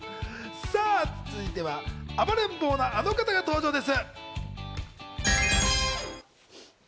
続いては暴れん坊な、あの方が登場です。